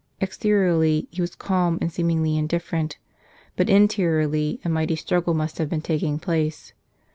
Exteriorly he was calm and seemingly in¬ different, but interiorly a mighty struggle must have been taking place.